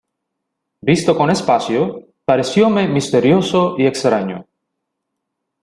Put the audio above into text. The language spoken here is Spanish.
visto con espacio, parecióme misterioso y extraño: